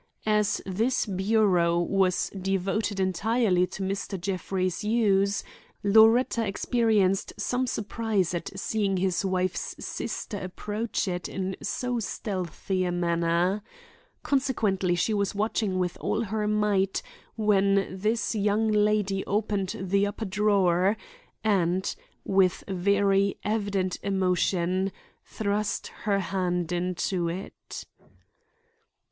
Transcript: As this bureau was devoted entirely to Mr. Jeffrey's use, Loretta experienced some surprise at seeing his wife's sister approach it in so stealthy a manner. Consequently she was watching with all her might, when this young lady opened the upper drawer and, with very evident emotion, thrust her hand into it.